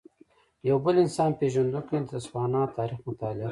یو بل انسان پېژندونکی د تسوانا تاریخ مطالعه کړی.